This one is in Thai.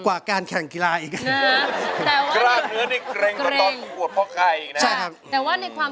กว่าการแข่งกีฬาอีกนะฮะ